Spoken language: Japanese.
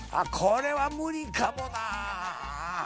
これは無理かもな。